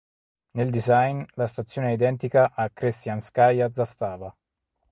Nel design, la stazione è identica a Krest'janskaja Zastava.